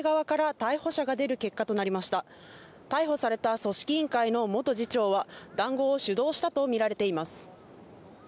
逮捕された組織委員会の元次長は、談合を主導したとみられています。